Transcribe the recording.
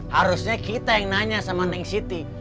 harusnya kita yang nanya sama neng city